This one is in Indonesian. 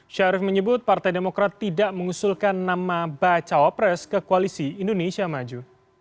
syarif menyebut partai demokrat tidak mengusulkan nama bacawa pres ke koalisi indonesia maju